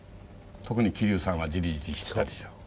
特に桐生さんはじりじりしてたでしょ。